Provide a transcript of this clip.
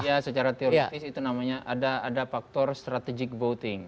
ya secara teoritis itu namanya ada faktor strategic voting